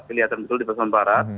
kelihatan betul di pasaman barat